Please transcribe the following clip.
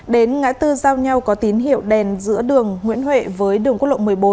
đến ngã tư giao nhau có tín hiệu đèn giữa đường nguyễn huệ với đường quốc lộ một mươi bốn